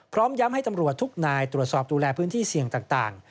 พร้อมย้ำให้ตำรวจทุกนายตรวจสอบดูแลพื้นที่เสี่ยงต่าง